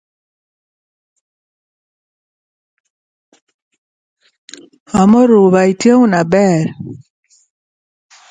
This was the first time in his political career that Humayun was defeated.